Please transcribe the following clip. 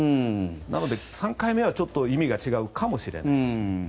なので３回目は意味が違うかもしれないです。